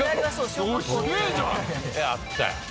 やったよ。